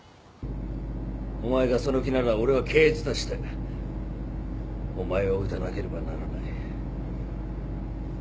お前がその気なら俺は刑事としてお前を撃たなければならない。